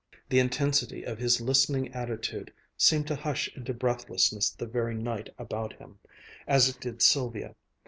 The intensity of his listening attitude seemed to hush into breathlessness the very night about him, as it did Sylvia.